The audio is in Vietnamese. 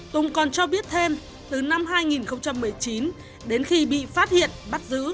tùng còn cho biết thêm từ năm hai nghìn một mươi chín đến khi bị phát hiện bắt giữ